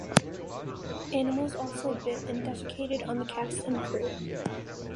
Animals also bit and defecated on the cast and crew.